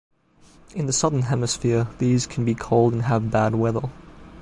In the southern hemisphere these can be cold and have bad weather.